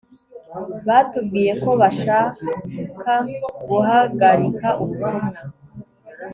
batubwiye ko bashaka guhagarika ubutumwa